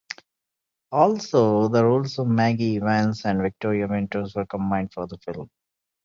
Also, the roles of Maggie Evans and Victoria Winters were combined for the film.